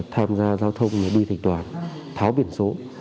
tham gia giao thông đi thành toàn tháo biển số